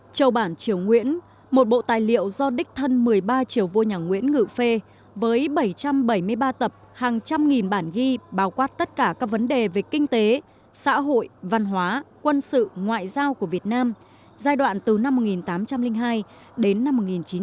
châu bản triều nguyễn một bộ tài liệu do đích thân một mươi ba triệu vua nhà nguyễn ngự phê với bảy trăm bảy mươi ba tập hàng trăm nghìn bản ghi bao quát tất cả các vấn đề về kinh tế xã hội văn hóa quân sự ngoại giao của việt nam giai đoạn từ năm một nghìn tám trăm linh hai đến năm một nghìn chín trăm bảy mươi